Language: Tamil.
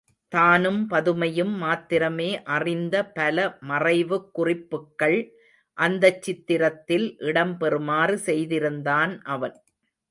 தானும் பதுமையும் மாத்திரமே அறிந்த பல மறைவுக் குறிப்புக்கள் அந்தச் சித்திரத்தில் இடம் பெறுமாறு செய்திருந்தான் அவன்.